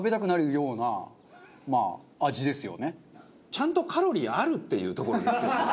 ちゃんとカロリーあるっていうところですよね。